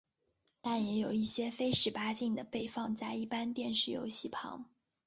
但也有一些非十八禁的被放在一般电视游戏旁。